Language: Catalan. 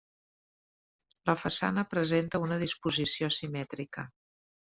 La façana presenta una disposició simètrica.